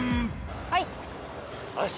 はい。